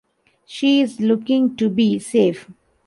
She is looking to be safe.